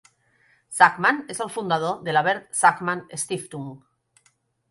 Sakmann és el fundador de la Bert-Sakmann-Stiftung.